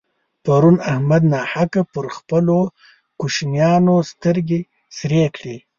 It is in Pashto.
پرون احمد ناحقه پر خپلو کوشنيانو سترګې سرې کړې.